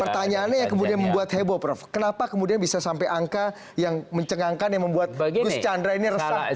pertanyaannya yang kemudian membuat heboh prof kenapa kemudian bisa sampai angka yang mencengangkan yang membuat gus chandra ini resah